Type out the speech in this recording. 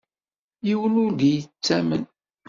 Yiwen ur d iyi-yettamen.